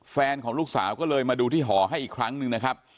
แฟนของลูกสาวก็เลยมาดูที่หอให้อีกครั้งหนึ่งนะครับ